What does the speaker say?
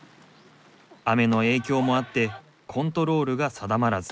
雨の影響もあってコントロールが定まらず。